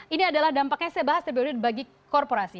ini adalah dampaknya saya bahas tadi udah dibagi korporasi